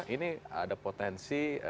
ini ada potensi